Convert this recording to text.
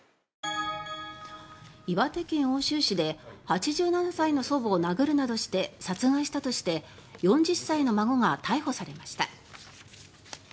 岩手県奥州市で８７歳の祖母を殴るなどして殺害したとして４０歳の孫が逮捕されました。